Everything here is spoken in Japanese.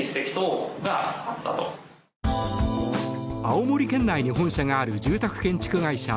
青森県内に本社がある住宅建築会社